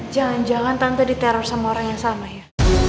jangan jangan tanpa diteror sama orang yang sama ya